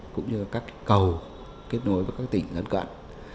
cũng như các cầu kết nối với các tỉnh gần gận